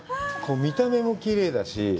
見た目もきれいだし。